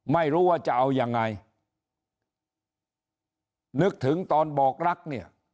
ไม่รู้ว่าจะเอายังไงนึกถึงตอนบอกรักเนี่ย